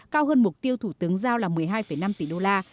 cao hơn mục tiêu thủ tướng giao là một mươi hai năm tỷ đô la